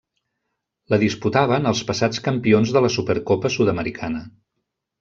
La disputaven els passats campions de la Supercopa Sud-americana.